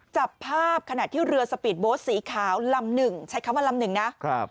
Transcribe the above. จับภาพขณะที่เรือสปีดโบสต์สีขาวลำหนึ่งใช้คำว่าลำหนึ่งนะครับ